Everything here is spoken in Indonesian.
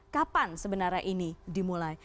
kapan sebenarnya ini dimulai